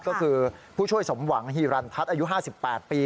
ก็คือผู้ช่วยสมหวังฮีรันทัศน์อายุ๕๘ปี